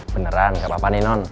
beneran gak apa apa nih non